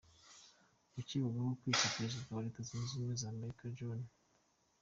Uwakekwagaho kwica perezida wa Leta zunze ubumwe za Amerika John F.